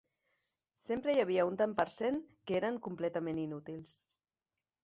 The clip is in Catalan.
Sempre n'hi havia un tant per cent que eren completament inútils.